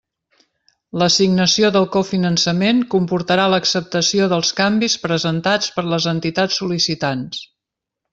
L'assignació del cofinançament comportarà l'acceptació dels canvis presentats per les entitats sol·licitants.